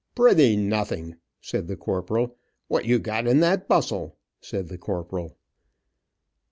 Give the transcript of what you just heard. "Prithe nothing," said the corporal. "What you got in that bustle?" said the corporal.